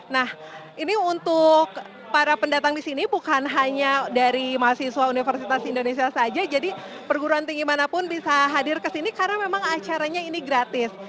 nah ini untuk para pendatang di sini bukan hanya dari mahasiswa universitas indonesia saja jadi perguruan tinggi manapun bisa hadir ke sini karena memang acaranya ini gratis